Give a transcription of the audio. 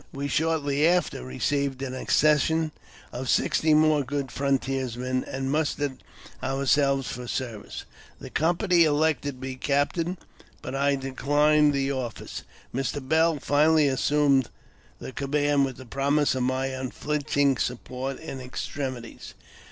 We shortly afterwards received an accession of sixty more good frontiersmen, and mustered ourselves for service. The company elected me captain, but I declined the office. JAMES P. BECKWOUBTH. 387 Mr. Bell finally assumed the command, with the promise of my unflinching support in extremities.